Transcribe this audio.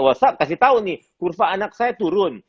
whatsapp kasih tau nih kurva anak saya turun